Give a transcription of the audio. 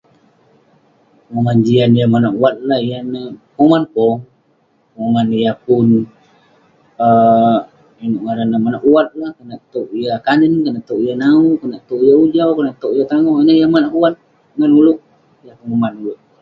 Monak jian ngan monak wat lah yan neh..penguman pong, penguman yah pun um inouk ngaran neh, manouk wat neh, konak towk yah kanen, konak towk yah nawu, konak towk yah ujau, konak towk yah tangoh.. ineh yah monak wat ngan ulouk, jah penguman ulouk..